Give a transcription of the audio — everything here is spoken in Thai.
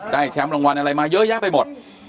แชมป์รางวัลอะไรมาเยอะแยะไปหมด